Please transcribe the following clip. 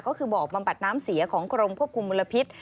ก็คือบ่อบำบัดน้ำเสียของกรมควบคุมมลพิษ